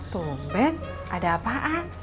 tumben ada apaan